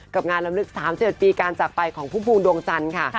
กับงานลำนึก๓๗ปีการจัดไปของภูมิภูมิดวงจันทร์ค่ะ